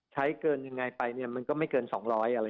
ใช้เกินยังไงไปมันก็ไม่เกิน๒๐๐